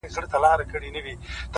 • چا ویل دا چي، ژوندون آسان دی،